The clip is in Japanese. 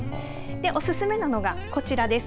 おすすめなのが、こちらです。